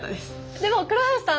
でも倉橋さん